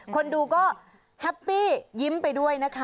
คนดูก็แฮปปี้ยิ้มไปด้วยนะคะ